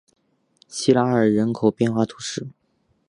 西拉尔人口变化图示